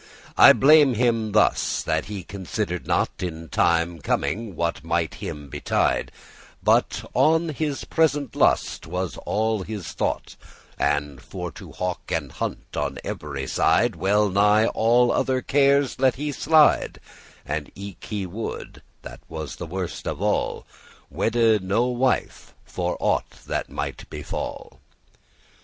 I blame him thus, that he consider'd not In time coming what might him betide, But on his present lust* was all his thought, *pleasure And for to hawk and hunt on every side; Well nigh all other cares let he slide, And eke he would (that was the worst of all) Wedde no wife for aught that might befall.